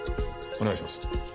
お願いします。